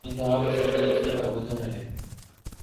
انتہاپسندی اسی کا مظہر ہے۔